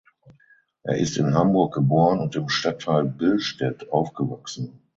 Er ist in Hamburg geboren und im Stadtteil Billstedt aufgewachsen.